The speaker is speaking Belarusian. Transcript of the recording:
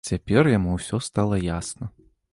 Цяпер яму ўсё стала ясна.